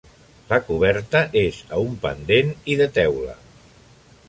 La coberta és a un pendent i de teula.